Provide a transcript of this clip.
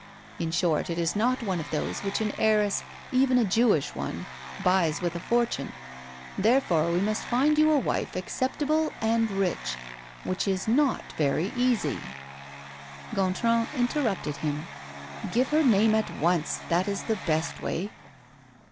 In short, it is not one of those which an heiress, even a Jewish one, buys with a fortune. Therefore, we must find you a wife acceptable and rich which is not very easy " Gontran interrupted him: "Give her name at once that is the best way."